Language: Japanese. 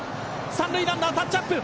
三塁ランナータッチアップ。